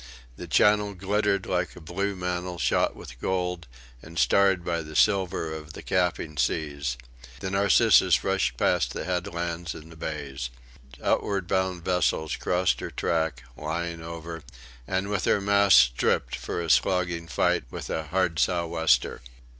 The Channel glittered like a blue mantle shot with gold and starred by the silver of the capping seas. The Narcissus rushed past the headlands and the bays. Outward bound vessels crossed her track, lying over, and with their masts stripped for a slogging fight with the hard sou'wester.